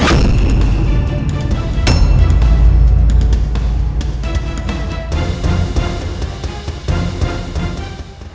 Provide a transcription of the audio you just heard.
saya tidak bisa menjaga anda